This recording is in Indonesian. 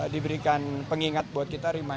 diberikan pengingat buat kita